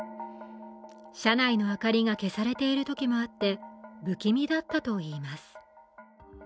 車内の明かりが消されているときもあって不気味だったといいます。